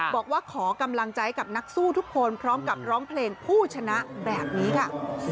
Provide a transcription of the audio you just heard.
บอกว่าขอกำลังใจกับนักสู้ทุกคนพร้อมกับร้องเพลงผู้ชนะแบบนี้ค่ะ